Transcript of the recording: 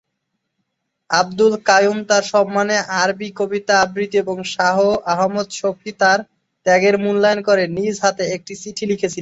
আব্দুল কাইয়ুম তার সম্মানে আরবি কবিতা আবৃত্তি ও শাহ আহমদ শফী তার ত্যাগের মূল্যায়ন করে নিজ হাতে একটি চিঠি লিখেছিলেন।